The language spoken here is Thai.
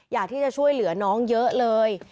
อยากที่จะช่วยเหลือน้องเยอะเลย